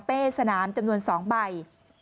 สนามจำนวน๒ใบ